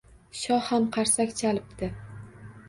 Shoh ham qarsak chalibdi